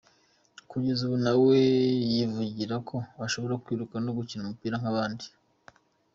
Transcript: Kugeza ubu na we yivugira ko ashobora kwiruka no gukina umupira nk’abandi.